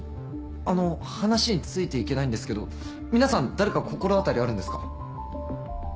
あの話についていけないんですけど皆さん誰か心当たりあるんですか？